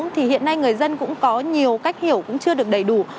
thì hiện nay người dân cũng có nhiều cách hiểu cũng chưa được đầy đủ